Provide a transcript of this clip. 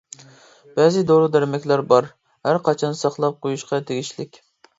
بەزى دورا-دەرمەكلەر بار، ھەر قاچان ساقلاپ قويۇشقا تېگىشلىك.